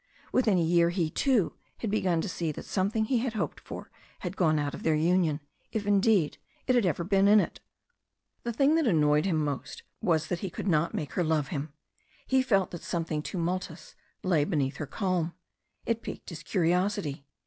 Within a year he, too, had begun to see that something he had hoped for had gone out of their union, if, indeed, it had ever been in it. The thing that annoyed him most was that he could not make her love him. He felt that something tumultuous lay beneath her calm. It piqued his curiosity.